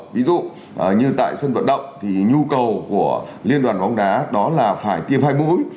ví dụ như tại sân vận động thì nhu cầu của liên đoàn bóng đá đó là phải tiêm hai mũi